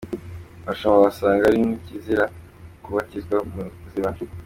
Abashumba basanga ari nk’ikizira kubatirizwa mu biziba.